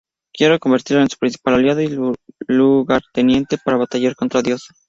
Quiere convertirlo en su principal aliado y lugarteniente para batallar contra Dios.